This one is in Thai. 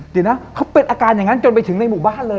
เดี๋ยวนะเขาเป็นอาการอย่างนั้นจนไปถึงในหมู่บ้านเลย